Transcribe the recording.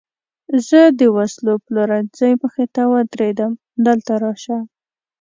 زه د وسلو پلورنځۍ مخې ته ودرېدم، دلته راشه.